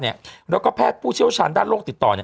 แล้วก็แพทย์ผู้เชี่ยวชาญด้านโรคติดต่อ